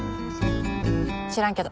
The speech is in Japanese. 知らんけど。